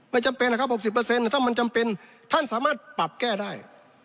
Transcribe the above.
จำเป็นนะครับ๖๐ถ้ามันจำเป็นท่านสามารถปรับแก้ได้